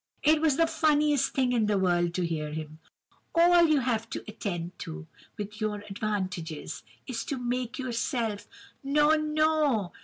It was the funniest thing in the world to hear him: 'All you have to attend to, with your advantages is to—make yourself—no, no!